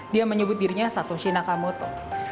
dia menyebut dirinya satoshi nakamoto